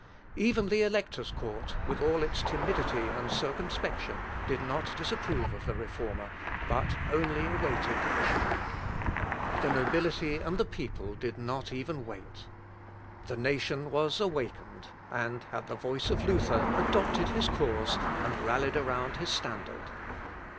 Even the Elector's court, with all its timidity and circumspection, did not disapprove of the Reformer, but only awaited the issue. The nobility and the people did not even wait. The nation was awakened, and, at the voice of Luther, adopted his cause, and rallied around his standard.